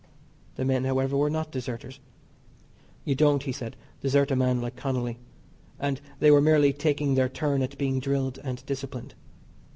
The men, however, were not deserters you don't, he said, desert a man like Connolly, and they were merely taking their turn at being drilled and disciplined.